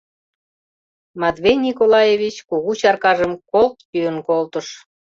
— Матвей Николаевич кугу чаркажым колт йӱын колтыш.